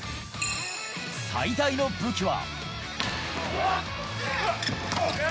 最大の武器は。